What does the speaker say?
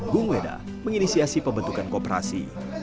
gung weda menginisiasi pembentukan kooperasi